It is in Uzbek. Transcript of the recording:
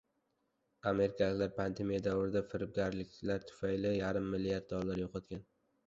Amerikaliklar pandemiya davridagi firibgarliklar tufayli yarim milliard dollar yo‘qotgan